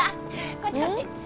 こっちこっち！